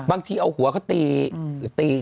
บางทีเอาหัวเขาตี